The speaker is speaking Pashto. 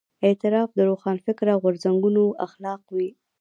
اعتراف د روښانفکره غورځنګونو اخلاق وي.